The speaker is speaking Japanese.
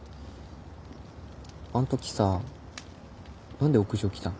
あん時さ何で屋上来たの？